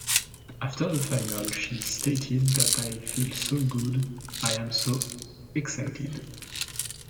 After the final she stated that I feel so good, I am so excited.